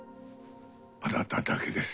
あなただけです。